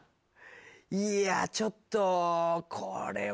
いやちょっとこれは。